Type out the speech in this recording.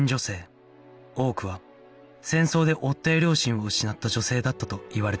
多くは戦争で夫や両親を失った女性だったといわれています